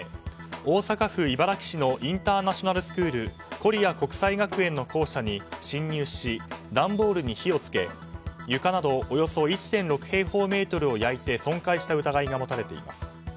大阪府茨木市のインターナショナルスクールコリア国際学園の校舎に侵入し段ボールに火を付け床などおよそ１．６平方メートルを焼いて、損壊した疑いが持たれています。